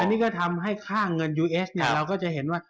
อันนี้ก็ทำให้ค่าเงินยูเอสเนี่ยเราก็จะเห็นว่า